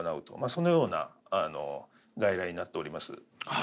そのような外来になっております。